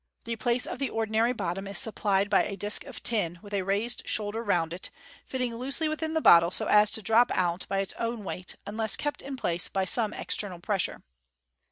The place of the ordinary bottom is supplied by a disc of tin^ with a raised shoulder round it, fitting loosely within the MODERN MA GIC. 383 bottle, so as to drop out by its own weight, unless kept in place by some external pressure.